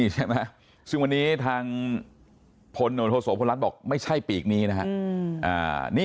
ใช่ไหมซึ่งวันนี้ทางพลโนโทโสพลรัฐบอกไม่ใช่ปีกนี้นะฮะ